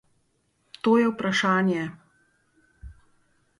To je vprašanje.